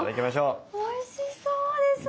おいしそうですね。